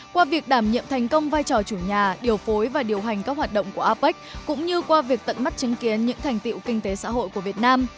qua việc đảm nhiệm thành công vai trò chủ nhà điều phối và điều hành các hoạt động của apec cũng như qua việc tận mắt chứng kiến những thành tiệu kinh tế xã hội của việt nam